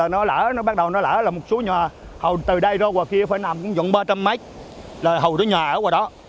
nó bắt đầu nó lỡ là một số nhà từ đây qua kia phải nằm dẫn ba trăm linh mét là hầu tới nhà ở qua đó